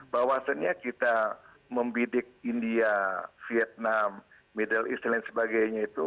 bahwasannya kita membidik india vietnam middle east dan lain sebagainya itu